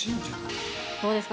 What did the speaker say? どうですか？